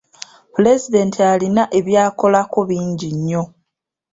Pulezidenti alina eby'akolako bingi nnyo.